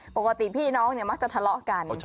ปกติพี่น้องเนี่ยมักจะทะเลาะกัน